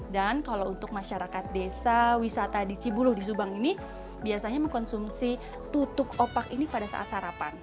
dan kalau untuk masyarakat desa wisata di cibulu di subang ini biasanya mengkonsumsi tutup opak ini pada saat sarapan